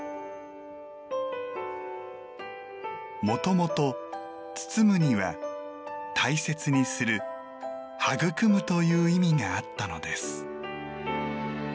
もともと、包むには大切にする育むという意味があったのです。